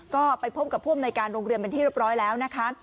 ก็ไปพบกับผู้อำนวยการโรงเรียนเป็นที่เรียบร้อยแล้วนะคะ